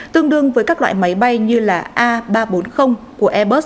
tương đương với các loại máy bay như a ba trăm bốn mươi của airbus hoặc bảy trăm bảy mươi bảy của boeing